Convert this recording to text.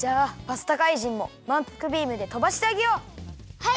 はい！